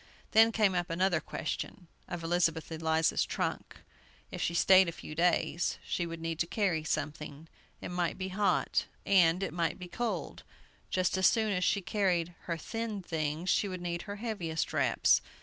Then came up another question, of Elizabeth Eliza's trunk. If she stayed a few days, she would need to carry something. It might be hot, and it might be cold. Just as soon as she carried her thin things, she would need her heaviest wraps.